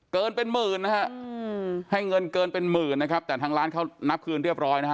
เกินเป็นหมื่นนะฮะให้เงินเกินเป็นหมื่นนะครับแต่ทางร้านเขานับคืนเรียบร้อยนะฮะ